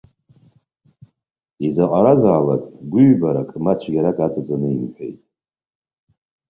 Изаҟаразаалак гәыҩбарак ма цәгьарак аҵаҵаны имҳәеит.